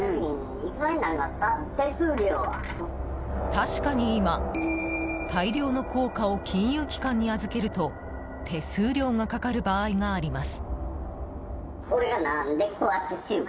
確かに今、大量の硬貨を金融機関に預けると手数料がかかる場合があります。